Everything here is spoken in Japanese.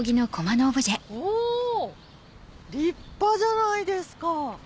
立派じゃないですか。